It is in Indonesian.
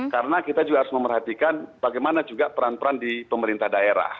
karena kita juga harus memerhatikan bagaimana juga peran peran di pemerintah daerah